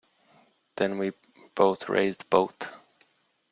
Then we both raised both.